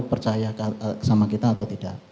percaya sama kita atau tidak